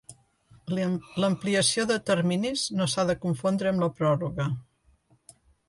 L'ampliació de terminis no s'ha de confondre amb la pròrroga.